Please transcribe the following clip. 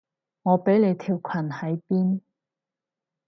我畀你條裙喺邊？